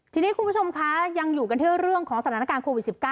ทีนี้คุณผู้ชมคะยังอยู่กันที่เรื่องของสถานการณ์โควิด๑๙